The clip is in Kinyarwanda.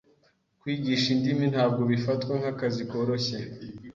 Kwigisha indimi ntabwo bifatwa nkakazi koroshye.